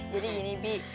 jadi gini bi